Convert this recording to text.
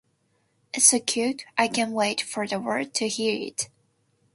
It's so cute; I can't wait for the world to hear it.